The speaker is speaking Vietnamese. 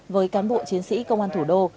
với cán bộ chiến sĩ công an thủ đô